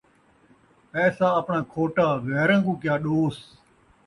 پیسہ آپݨا کھوٹا، غیراں کوں کیا ݙوس